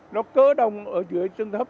nó cỡ đồng ở dưới chân thấp